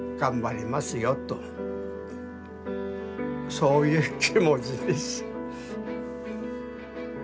そういう気持ちです。